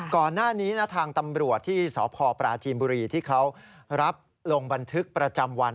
ก่อนหน้านี้นะทางตำรวจที่สพปราจีนบุรีที่เขารับลงบันทึกประจำวัน